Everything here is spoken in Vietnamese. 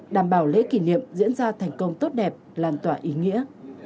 đảm bảo lễ kỷ niệm diễn ra thành công tốt đẹp lan tỏa ý nghĩa